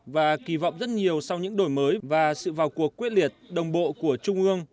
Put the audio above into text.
và kỳ vọng rất nhiều sau những đổi mới và sự vào cuộc quyết liệt đồng bộ của trung ương